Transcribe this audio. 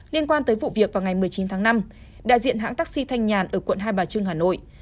liên quan tới vụ việc vào ngày một mươi chín tháng năm đại diện hãng taxi thanh nhàn ở quận hai bà trưng hà nội